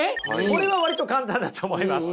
これは割と簡単だと思います。